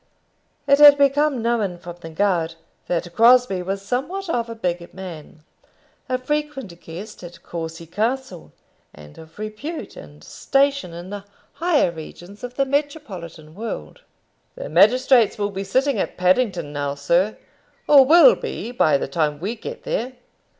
It had become known from the guard that Crosbie was somewhat of a big man, a frequent guest at Courcy Castle, and of repute and station in the higher regions of the Metropolitan world. "The magistrates will be sitting at Paddington, now, sir or will be by the time we get there."